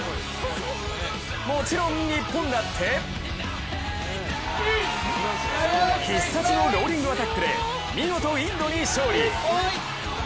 もちろん、日本だって必殺のローリングアタックで見事、インドに勝利。